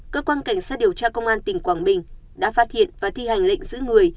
cơ quan cảnh sát điều tra công an tỉnh quảng bình đã phát hiện và thi hành lệnh giữ người